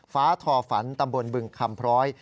ฟ้าทอฝันตำบลบึงคำพร้อย